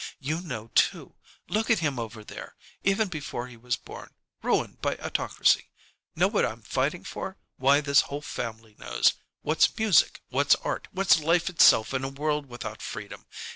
You know, too. Look at him over there, even before he was born, ruined by autocracy! Know what I'm fighting for? Why, this whole family knows! What's music, what's art, what's life itself in a world without freedom?